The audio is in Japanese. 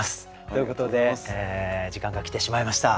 ということで時間が来てしまいました。